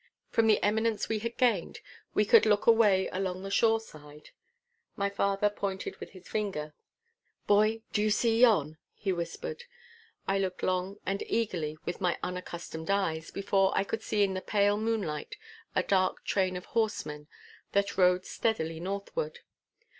From the eminence we had gained, we could look away along the shore side. My father pointed with his finger. 'Boy, do you see yon?' he whispered. I looked long and eagerly with my unaccustomed eyes, before I could see in the pale moonlight a dark train of horsemen that rode steadily northward.